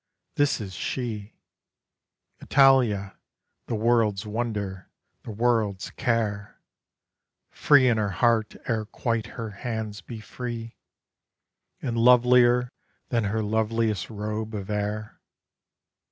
This is she, Italia, the world's wonder, the world's care, Free in her heart ere quite her hands be free, And lovelier than her loveliest robe of air.